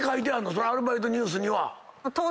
そのアルバイトニュースには。